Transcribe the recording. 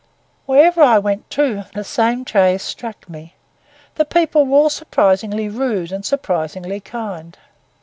Wherever I went, too, the same traits struck me: the people were all surprisingly rude and surprisingly kind.